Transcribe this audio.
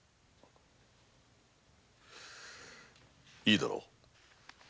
いいだろう。